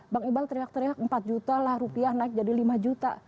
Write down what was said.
bang iqbal teriak teriak empat juta lah rupiah naik jadi lima juta